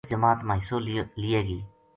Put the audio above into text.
جے تم اس جماعت ما حِصو لیے گی